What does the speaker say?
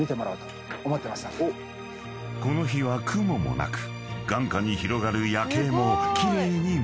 ［この日は雲もなく眼下に広がる夜景も奇麗に見えている。